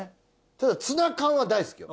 ただツナ缶は大好きよ。